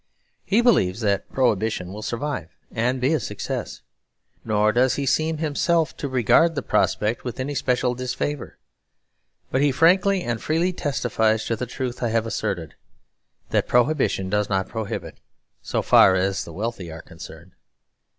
He believes that Prohibition will survive and be a success, nor does he seem himself to regard the prospect with any special disfavour. But he frankly and freely testifies to the truth I have asserted; that Prohibition does not prohibit, so far as the wealthy are concerned.